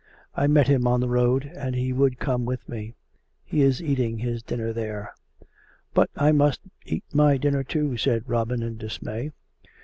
I met him on the road, and he would come with me. He is eating his dinner there." " But I must eat my dinner too," said Robin, in dismay.